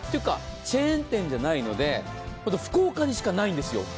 チェーン店じゃないので、福岡にしかないんですよ。